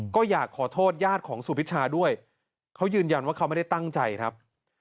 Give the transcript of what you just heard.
ก็อยากขอโทษญาติของสุพิชาด้วยเขายืนยันว่าเขาไม่ได้ตั้งใจครับ